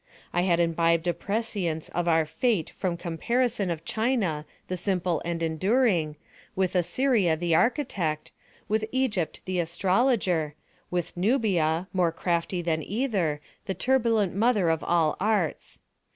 I had imbibed a prescience of our Fate from comparison of China the simple and enduring, with Assyria the architect, with Egypt the astrologer, with Nubia, more crafty than either, the turbulent mother of all Arts.